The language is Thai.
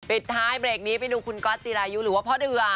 ปิดท้ายเบรกนี้ไปดูคุณก๊อตจิรายุหรือว่าพ่อเดือ